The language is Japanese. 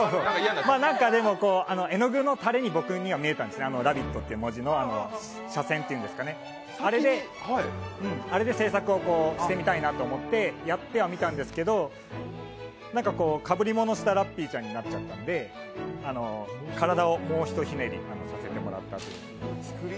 何か絵の具の垂れに僕には見えたんですね、「ラヴィット！」って文字の斜線っていうんですかね、あれで制作をしてみたいなと思ってやってみたんですけどなんかこう、かぶり物したラッピーちゃんになっちゃったので体をもうひとひねりさせてもらったんです。